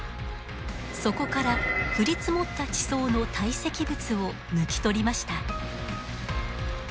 そこから降り積もった地層の堆積物を抜き取りました。